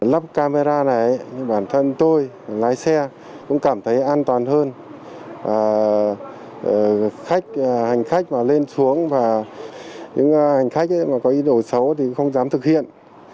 lắp camera này bản thân tôi lái xe cũng cảm thấy an toàn hơn khách hành khách mà lên xuống và những hành khách mà có ý đồ xấu thì không dám thực hiện